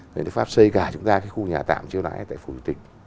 nước pháp xây cả chúng ta cái khu nhà tạm chiêu đáy tại phủ tịch